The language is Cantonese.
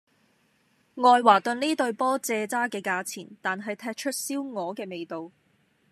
愛華頓呢隊波蔗渣嘅價錢,但係踢出燒鵝嘅味道